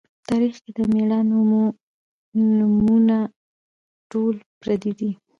تاریخ کښې د مــړانو مـو نومــونه ټول پردي دي